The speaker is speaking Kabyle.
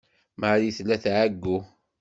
Marie tella tɛeyyu.